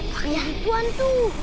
pakai hantu an tuh